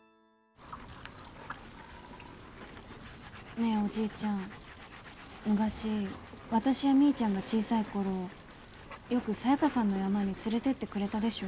ねえおじいちゃん昔私やみーちゃんが小さい頃よくサヤカさんの山に連れてってくれたでしょ？